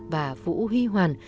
và vũ huy hoàn